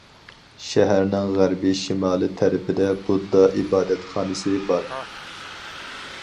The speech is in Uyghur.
شەھەرنىڭ غەربىي شىمالىي تەرىپىدە بۇددا ئىبادەتخانىسى بار.